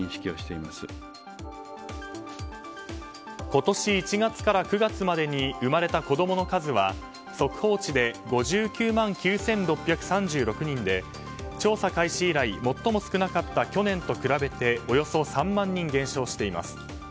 今年１月から９月までに生まれた子供の数は速報値で５９万９６３６人で調査開始以来最も少なかった去年と比べておよそ３万人減少しています。